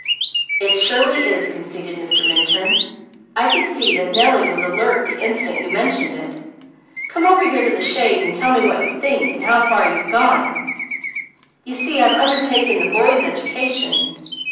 "It surely is," conceded Mr. Minturn. "I could see that Nellie was alert the instant you mentioned it. Come over here to the shade and tell me how far you have gone. You see I've undertaken the boys' education.